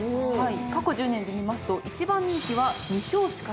過去１０年で見ますと１番人気は２勝しかしてない。